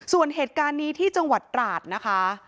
ส่วนเหตุการณ์นี้ที่จังหวัดตราดนะคะ